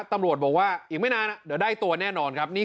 ตำรวจบอกว่าอีกไม่นานเดี๋ยวได้ตัวแน่นอนครับ